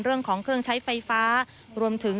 เรื่องของเครื่องใช้ไฟฟ้ารวมถึง